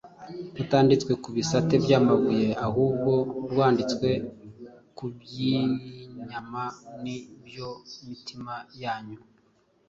rutanditswe ku bisate by’amabuye ahubwo rwanditswe ku by’inyama, ni byo mitima yanyu.”